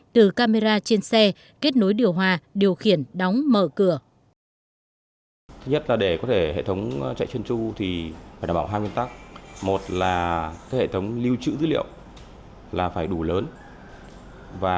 từ camera trên xe kết nối điều hòa điều khiển đóng mở cửa